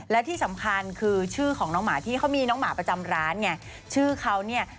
และที่สำคัญคือชื่อของน้องหมาที่เขามีน้องหมาประจำร้านไงชื่อเขาเนี่ย